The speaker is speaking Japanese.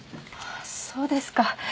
あっそうですか。